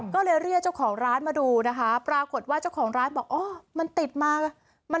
ก็เลยเรียกเจ้าของร้านมาดูนะคะปรากฏว่าเจ้าของร้านบอกอ๋อมันติดมาไง